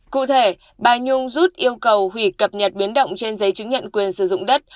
cụ thể bà nhung rút yêu cầu hủy cập nhật biến động trên giấy chứng nhận quyền sử dụng đất